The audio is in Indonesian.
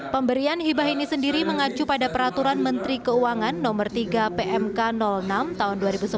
pemberian hibah ini sendiri mengacu pada peraturan menteri keuangan no tiga pmk enam tahun dua ribu sebelas